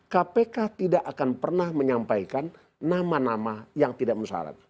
kpk tidak akan pernah menyampaikan nama nama yang tidak musyarat